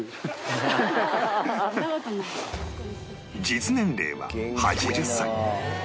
実年齢は８０歳